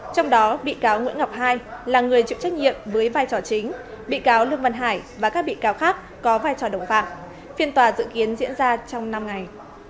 trong đó bị cáo nguyễn ngọc hai là người chịu trách nhiệm với vai trò chính bị cáo lương văn hải và các bị cáo khác có vai trò đồng phạm phiên tòa dự kiến diễn ra trong năm ngày